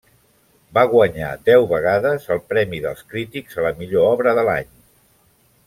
Va guanyar deu vegades el premi dels crítics a la millor obra de l'any.